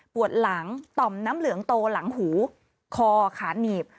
หลังต่อมน้ำเหลืองโตหลังหูคอขาหนีบ